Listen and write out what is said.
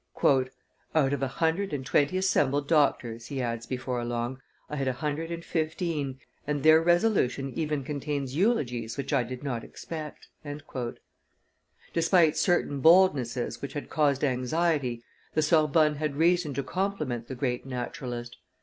"Out of a hundred and twenty assembled doctors," he adds before long, "I had a hundred and fifteen, and their resolution even contains eulogies which I did not expect." Despite certain boldnesses which had caused anxiety, the Sorbonne had reason to compliment the great naturalist.